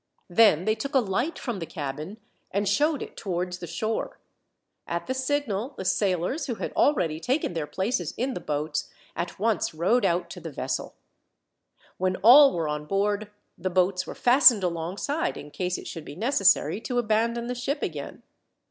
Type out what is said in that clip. Then they took a light from the cabin and showed it towards the shore. At the signal the sailors, who had already taken their places in the boats, at once rowed out to the vessel. When all were on board, the boats were fastened alongside, in case it should be necessary to abandon the ship again.